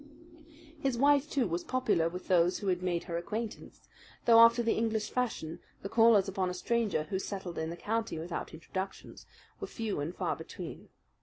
His wife, too, was popular with those who had made her acquaintance; though, after the English fashion, the callers upon a stranger who settled in the county without introductions were few and far between.